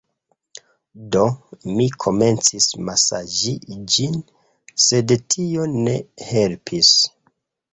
Do, mi komencis masaĝi ĝin sed tio ne helpis